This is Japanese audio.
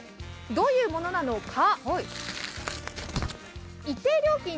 どういうものなのか。